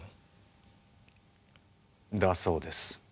だそうです。